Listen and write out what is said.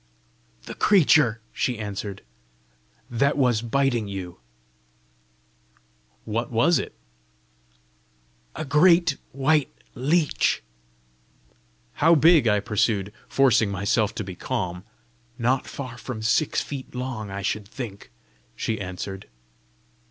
"The creature," she answered, "that was biting you." "What was it?" "A great white leech." "How big?" I pursued, forcing myself to be calm. "Not far from six feet long, I should think," she answered.